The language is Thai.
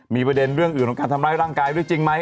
มีประเด็นเรื่องอื่นของการทำร้ายร่างกายด้วยจริงไหม